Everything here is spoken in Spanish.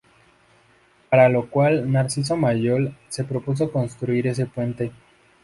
Para lo cual Narciso Mallol, se propuso construir ese puente.